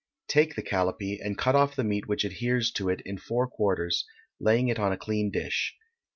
Take the callipee, and cut off the meat which adheres to it in four quarters, laying it on a clean dish.